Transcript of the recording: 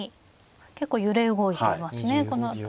結構揺れ動いていますねこの辺り。